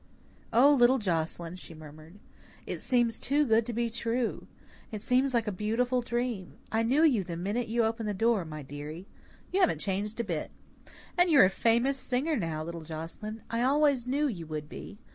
"O, little Joscelyn," she murmured, "it seems too good to be true. It seems like a beautiful dream. I knew you the minute you opened the door, my dearie. You haven't changed a bit. And you're a famous singer now, little Joscelyn! I always knew you would be.